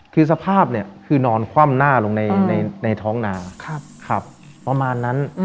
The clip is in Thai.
คือสภาพเนี่ยคือนอนคว่ำหน้าลงในท้องนาขับประมาณนั้น